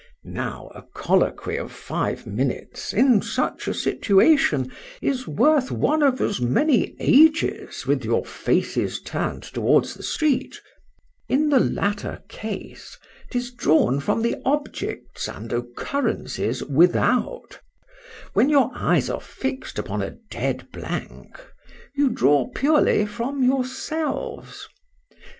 Now a colloquy of five minutes, in such a situation, is worth one of as many ages, with your faces turned towards the street: in the latter case, 'tis drawn from the objects and occurrences without;—when your eyes are fixed upon a dead blank,—you draw purely from yourselves.